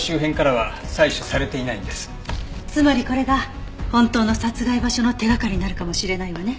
つまりこれが本当の殺害場所の手掛かりになるかもしれないわね。